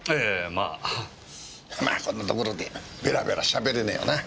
まあこんなところでベラベラしゃべれねえよな。